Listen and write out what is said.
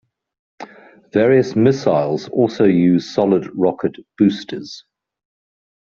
Various missiles also use solid rocket boosters.